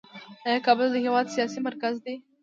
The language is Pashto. آیا کابل د هیواد سیاسي مرکز دی؟